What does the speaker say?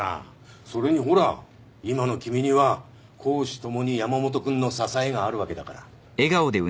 それにほら今の君には公私共に山本君の支えがあるわけだから。